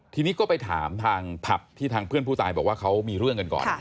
ทีนี้ก็ไปถามทางผับที่ทางเพื่อนผู้ตายบอกว่าเขามีเรื่องกันก่อน